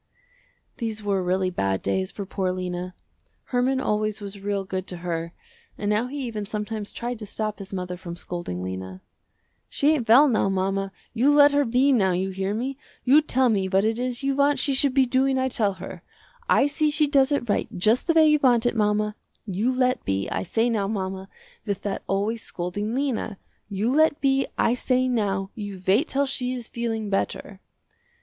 These were really bad days for poor Lena. Herman always was real good to her and now he even sometimes tried to stop his mother from scolding Lena. "She ain't well now mama, you let her be now you hear me. You tell me what it is you want she should be doing, I tell her. I see she does it right just the way you want it mama. You let be, I say now mama, with that always scolding Lena. You let be, I say now, you wait till she is feeling better."